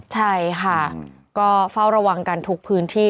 ใช่ค่ะก็เฝ้าระวังกันทุกพื้นที่